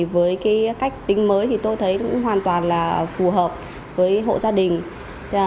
với cách tính mới tôi thấy hoàn toàn phù hợp với hộ gia đình